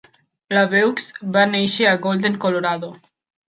LaVeaux va néixer a Golden, Colorado.